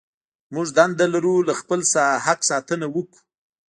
موږ دنده لرو له خپل حق ساتنه وکړو.